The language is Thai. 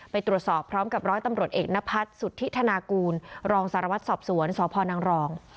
ไปตรวจสอบพร้อมกับร้อยตำรวจเอกนพัฒน์สุทธิธนากูลรองสารวัตรสอบสวนสพนังรอง